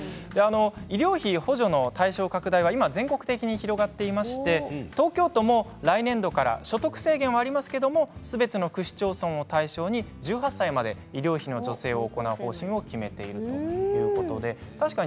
医療費補助の対象拡大は今、全国的に広がっていまして東京都も来年度から所得制限はありますけれどもすべての区市町村を対象に１８歳まで医療費の助成を行う方針を決めているということです。